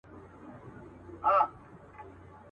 پاس د مځکي پر سر پورته عدالت دئ.